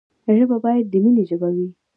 ژبه باید د ميني ژبه وي.